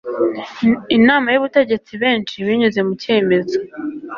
Inama y Ubutegetsi benshi binyuze mu cyemezo